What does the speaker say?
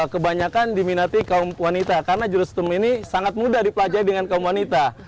kebanyakan diminati kaum wanita karena jurustum ini sangat mudah dipelajari dengan kaum wanita